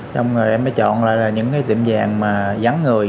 xong rồi em mới chọn là những cái tiệm vàng mà dắn người